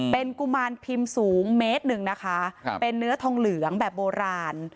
เป็นกุมารพิมพ์สูงเมตรหนึ่งนะคะเป็นเนื้อทองเหลืองแบบโบราณ